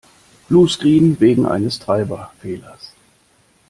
Bluescreen. Wegen eines Treiberfehlers.